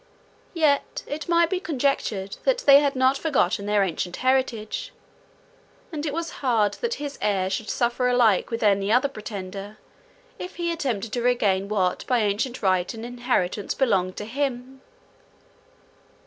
Yet it might be conjectured that they had not forgotten their ancient heritage; and it was hard that his heir should suffer alike with any other pretender, if he attempted to regain what by ancient right and inheritance belonged to him.